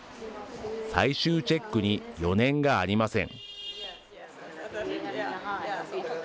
最終チェックに余念がありません。